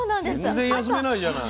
全然休めないじゃない。